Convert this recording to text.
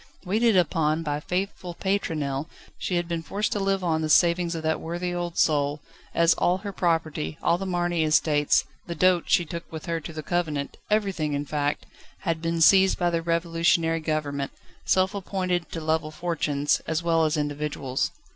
Waited upon by faithful Pétronelle, she had been forced to live on the savings of that worthy old soul, as all her property, all the Marny estates, the dot she took with her to the convent everything, in fact had been seized by the Revolutionary Government, self appointed to level fortunes, as well as individuals.